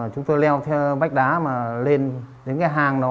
chúng tôi leo theo vách đá mà lên đến cái hang đó